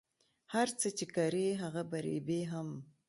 هر څه چی کری هغه به ریبی هم